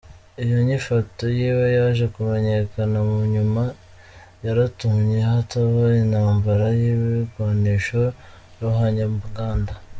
Iyo nyifato yiwe yaje kumenyekana mu nyuma, yaratumye hataba intambara y'ibigwanisho ruhonyanganda.